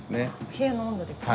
部屋の温度ですね。